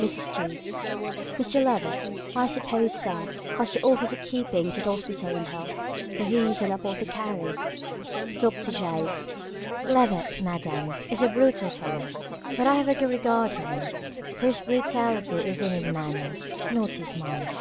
MRS. T. "Mr. Levett, I suppose, Sir, has the office of keeping the hospital in health, for he is an apothecary." DR. J. "Levett, Madam, is a brutal fellow, but I have a good regard for him; for his brutality is in his manners, not his mind."